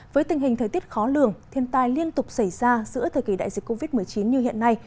với tình hình thời tiết khó lường thiên tai liên tục xảy ra giữa thời kỳ đại dịch covid một mươi chín như hiện nay